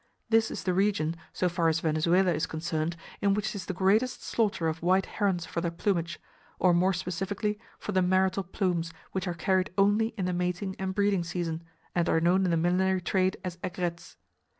This is the region, so far as Venezuela is concerned, in which is the greatest slaughter of white herons for their plumage, or more specifically for the marital plumes, which are carried only in the mating and breeding season, and are known in the millinery trade as 'aigrettes.'